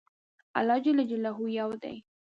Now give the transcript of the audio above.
الله ج يو دی